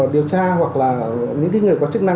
điều tra hoặc là những người có chức năng